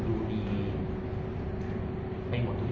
หรือเป็นอะไรที่คุณต้องการให้ดู